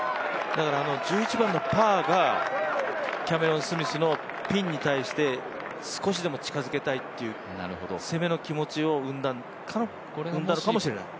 だから１１番のパーがキャメロン・スミスのピンに対して少しでも近づけたいという攻めの気持ちを生んだのかもしれない。